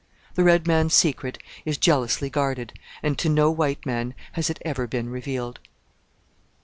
The red man's secret is jealously guarded and to no white man has it ever been revealed.